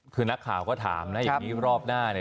คือนักข่าวก็ถามนะอย่างนี้รอบหน้าเนี่ย